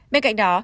bên cạnh đó